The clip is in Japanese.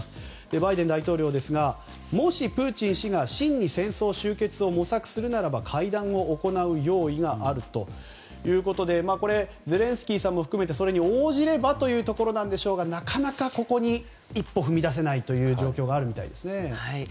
バイデン大統領ですがもしプーチン氏が真に戦争終結を模索するならば、会談を行う用意があるということでゼレンスキーさんも含めてそれに応じればということですがなかなかここに一歩踏み出せないという状況があるようですね。